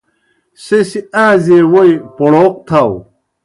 سہ سیْ آئݩزیئے ووئی پوْڑَوْق تھاؤ۔